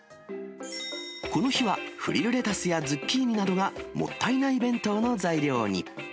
この日は、フリルレタスやズッキーニがもったいない弁当の材料に。